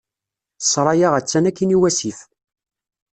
Ssṛaya attan akkin iwasif.